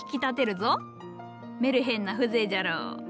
メルヘンな風情じゃろう？